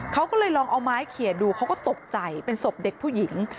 เขาก็เลยลองเอาไม้เขียนดูเขาก็ตกใจเป็นศพเด็กผู้หญิง